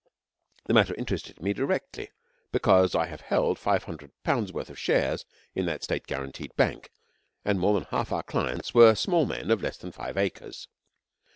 The matter interested me directly, because I held five hundred pounds worth of shares in that State guaranteed Bank, and more than half our clients were small men of less than five acres.